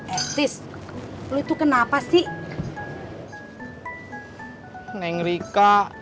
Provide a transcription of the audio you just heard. eh tis lu itu kenapa sih